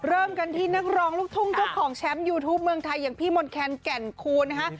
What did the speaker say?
เริ่มกันที่นักร้องลูกทุ่งเจ้าของแชมป์ยูทูปเมืองไทยอย่างพี่มนต์แคนแก่นคูณนะคะ